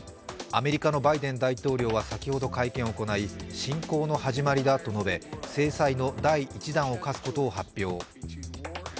アメリカのバイデン大統領は先ほど会見を行い、侵攻の始まりだと述べ制裁の第１弾を科すことを発表。